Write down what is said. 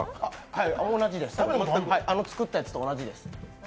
はい、あの作ったやつと同じです。